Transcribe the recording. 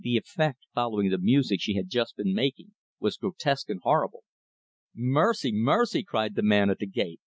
The effect, following the music she had just been making, was grotesque and horrible. "Mercy, mercy!" cried the man at the gate.